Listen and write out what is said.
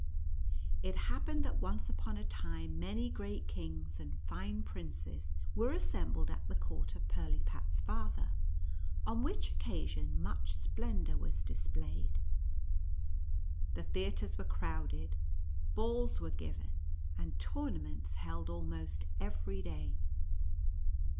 It happened that once upon a time many great kings and fine princes were assembled at the court of Pirlipat's father, on which occasion much splendor was displayed, the theatres were crowded, balls were given, and tournaments held almost every day.